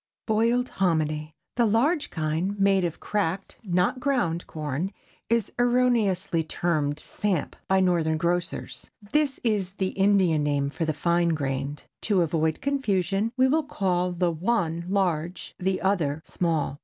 BOILED HOMINY. The large kind, made of cracked, not ground corn, is erroneously termed "samp" by Northern grocers. This is the Indian name for the fine grained. To avoid confusion, we will call the one large, the other small.